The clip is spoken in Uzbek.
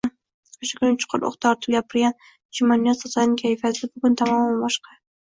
O`sha kuni chuqur uh tortib gapirgan Jumaniyoz otaning kayfiyati bugun tamoman boshqa